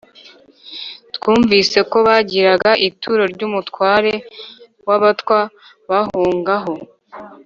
twunvise ko bagiraga ituro ry’umutware w’abatwa bahongaho.